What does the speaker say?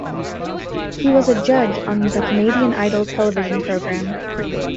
He was a judge on the "Canadian Idol" television program.